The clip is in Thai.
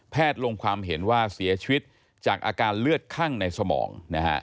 ลงความเห็นว่าเสียชีวิตจากอาการเลือดคั่งในสมองนะฮะ